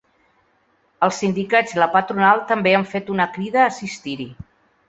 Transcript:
Els sindicats i la patronal també han fet una crida a assistir-hi.